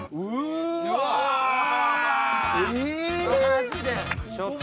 マジで？